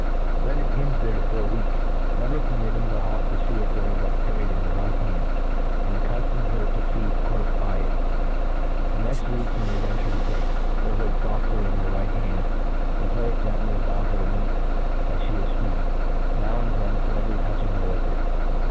Let it hing there fpr a week, never permitting the hawk to fee it during that period in your fight hand^ acid accuftom her tp feed clofeby it, The MODERN FAULCONRY. 141 The next week you may venture to take/the hood foftly into your right hand, and play it gently about her meat as (he is feeding, now and. then nightly touching her with it.